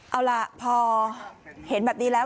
เอาล่ะพอเห็นแบบนี้แล้ว